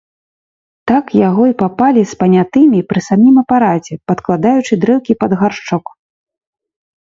Так яго й папалі з панятымі пры самым апараце, падкладаючы дрэўкі пад гаршчок.